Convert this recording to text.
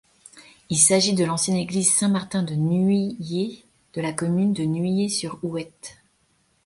Il s'agit de l'ancienne église Saint-Martin de Nuillé de la commune de Nuillé-sur-Ouette.